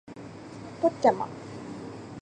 ポッチャマ